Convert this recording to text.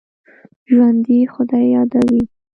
ژوندي خدای یادوي